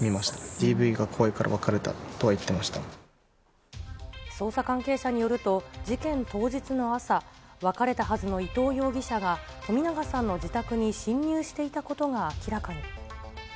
ＤＶが怖いから、捜査関係者によると、事件当日の朝、別れたはずの伊藤容疑者が、冨永さんの自宅に侵入していたことが明らかに。